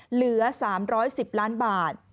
เหลือ๓๑๐ล้านบาท